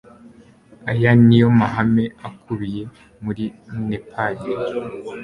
aya niyo mahame akubiye muri nepad